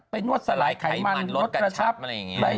นวดสลายไขมันลดกระชับอะไรอย่างนี้